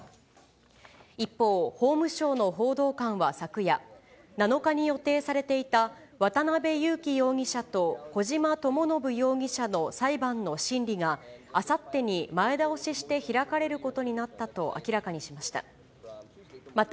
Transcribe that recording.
一方、法務省の報道官は昨夜、７日に予定されていた渡辺優樹容疑者と小島智信容疑者の裁判の審理が、あさってに前倒しして開かれることになったと明らかにしました。